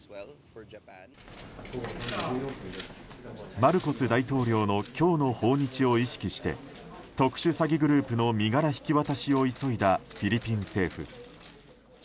マルコス大統領の今日の訪日を意識して特殊詐欺グループの身柄引き渡しを急いだフィリピン政府。